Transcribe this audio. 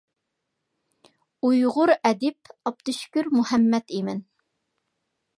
ئۇيغۇر ئەدىب ئابدۇشۈكۈر مۇھەممەتئىمىن.